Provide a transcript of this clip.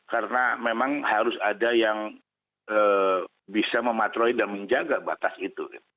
karena memang harus ada yang bisa mematroi dan menjaga batas itu